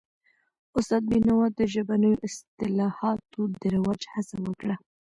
استاد بینوا د ژبنیو اصطلاحاتو د رواج هڅه وکړه.